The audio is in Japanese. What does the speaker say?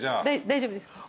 大丈夫です。